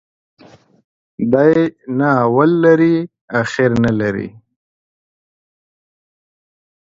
دى نو اول لري ، اخير نلري.